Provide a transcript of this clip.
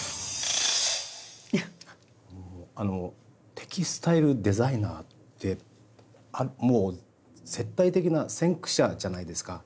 あのテキスタイルデザイナーってもう絶対的な先駆者じゃないですか。